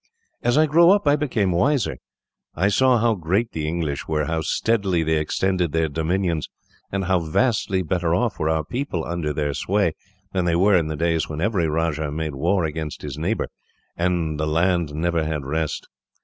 "As I grew up, I became wiser. I saw how great the English were, how steadily they extended their dominions, and how vastly better off were our people, under their sway, than they were in the days when every rajah made war against his neighbour, and the land never had rest.